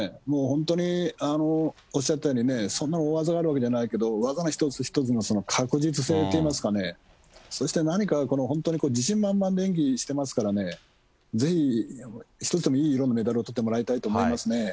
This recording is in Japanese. もう本当におっしゃったようにね、そんな大技があるわけじゃないけど、技の一つ一つのその確実性といいますかね、そして何か、本当に自信満々で演技してますからね、ぜひ、１つでもいい色のメダルをとってもらいたいと思いますね。